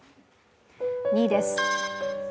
２位です。